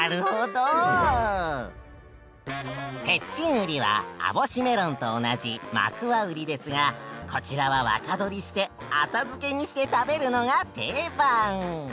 ウリは網干メロンと同じマクワウリですがこちらは若どりして浅漬けにして食べるのが定番。